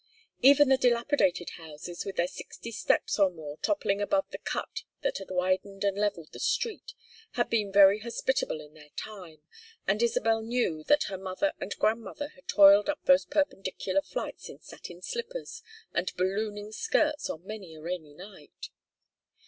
Even the dilapidated houses, with their sixty steps or more toppling above the cut that had widened and levelled the street, had been very hospitable in their time, and Isabel knew that her mother and grandmother had toiled up those perpendicular flights in satin slippers and ballooning skirts on many a rainy night.